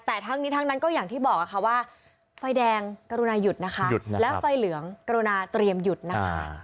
แต่ทั้งนี้ทั้งนั้นก็อย่างที่บอกค่ะว่าไฟแดงกรุณาหยุดนะคะและไฟเหลืองกรุณาเตรียมหยุดนะคะ